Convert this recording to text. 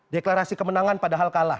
deklarasi kemenangan padahal kalah